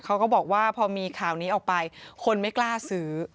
เขาก็บอกว่าพอมีข่าวนี้ออกไปคนไม่กล้าซื้อ